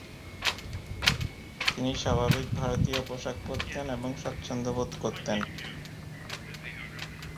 তিনি স্বাভাবিক ভারতীয় পোশাক পরতেন এবং স্বাচ্ছন্দ্য বোধ করতেন।